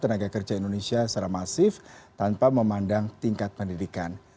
tenaga kerja indonesia secara masif tanpa memandang tingkat pendidikan